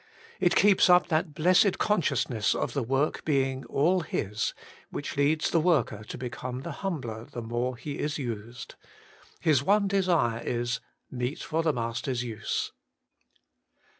It keeps up that blessed con sciousness of the work being all His, which leads the worker to become the humbler the Working for God 103 more he is used. His one desire is — meet for the Master's use.